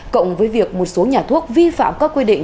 cộng với việc một số nhà thuốc vi phạm các quy định